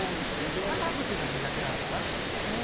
片付けが苦手なのかな。